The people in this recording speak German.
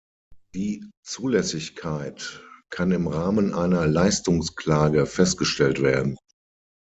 Die Zulässigkeit kann im Rahmen einer Leistungsklage festgestellt werden.